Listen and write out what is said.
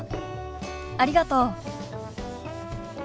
ありがとう。